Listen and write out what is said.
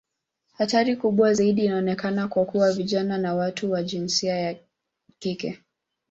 Hatari kubwa zaidi inaonekana kuwa kwa vijana na watu wa jinsia ya kike.